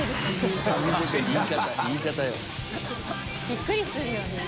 びっくりするよね